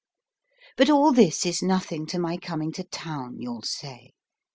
But all this is nothing to my coming to town, you'll say.